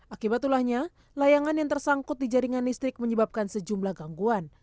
akibat ulahnya layangan yang tersangkut di jaringan listrik menyebabkan sejumlah gangguan